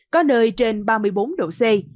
có nơi trên ba mươi bốn độ c